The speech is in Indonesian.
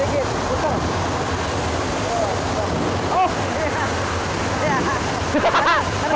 di mana pada hum propagan yang ditandai